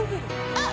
あっ！